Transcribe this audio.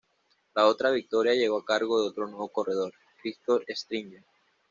La otra victoria llegó a cargo de otro nuevo corredor: Christoph Springer.